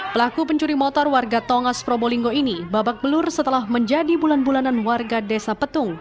pelaku pencuri motor warga tongas probolinggo ini babak belur setelah menjadi bulan bulanan warga desa petung